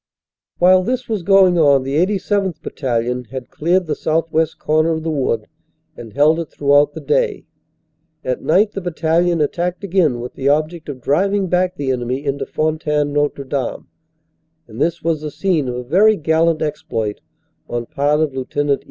While this was going on the 87th. Battalion had cleared the southwest corner of the wood and held it throughout the OPERATIONS: SEPT. 27 225 day. At night the Battalion attacked again with the object of driving back the enemy into Fontaine Notre Dame, and this was the scene of a very gallant exploit on part of Lt.